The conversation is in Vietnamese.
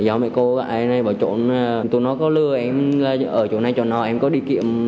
do mấy cô gái này bỏ trộn tụi nó có lừa em ở chỗ này trộn nó em có đi kiệm